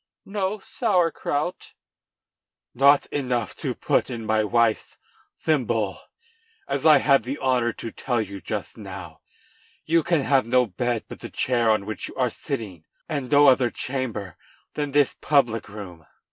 "No sauer kraut?" "Not enough to put in my wife's thimble! As I had the honor to tell you just now, you can have no bed but the chair on which you are sitting, and no other chamber than this public room."